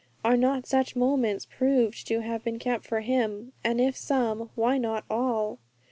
Are not such moments proved to have been kept for Him? And if some, why not all?